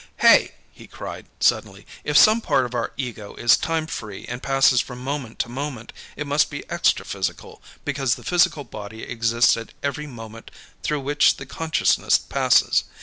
"Hey!" he cried, suddenly. "If some part of our ego is time free and passes from moment to moment, it must be extraphysical, because the physical body exists at every moment through which the consciousness passes.